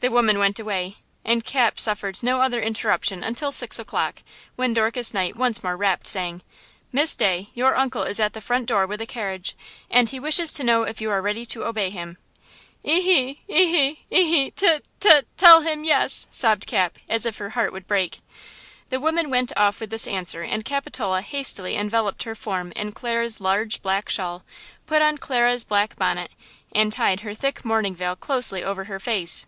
The woman went away, and Cap suffered no other interruption until six o'clock, when Dorcas Knight once more rapped saying: "Miss Day, your uncle is at the front door with the carriage, and he wishes to know if you are ready to obey him." "Ee–hee! Ee–hee! Ee–hee!–te–te–tell him yes!" sobbed Cap, as if her heart would break. The woman went, off with this answer, and Capitola hastily enveloped her form in Clara's large, black shawl, put on Clara's black bonnet and tied her thick mourning veil closely over her face.